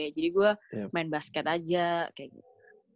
jadi gue main basket aja kayak gitu